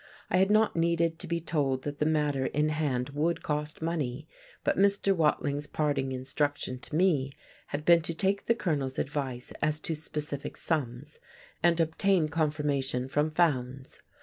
I had not needed to be told that the matter in hand would cost money, but Mr. Watling's parting instruction to me had been to take the Colonel's advice as to specific sums, and obtain confirmation from Fowndes.